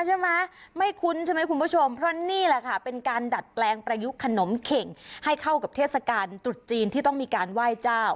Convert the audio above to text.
ใช่ไหมไม่คุ้นใช่ไหมคุณผู้ชมเพราะนี่แหละค่ะเป็นการดัดแปลงประยุกต์ขนมเข่งให้เข้ากับเทศกาลตรุษจีนที่ต้องมีการไหว้เจ้า